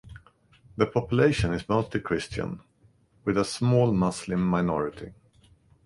The population is mostly Christian with a small Muslim minority.